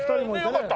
よかった！